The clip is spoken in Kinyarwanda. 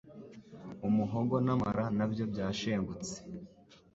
umuhogo n’amara na byo byashengutse